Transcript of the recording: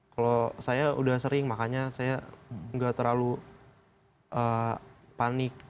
kalau saya sudah sering makanya saya tidak terlalu panik